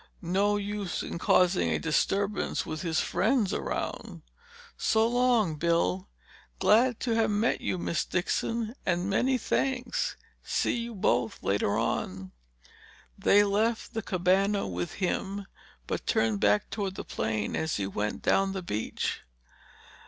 No use in causing a disturbance with his friends around. So long, Bill. Glad to have met you, Miss Dixon—and many thanks. See you both later on." They left the cabana with him, but turned back toward the plane as he went down the beach.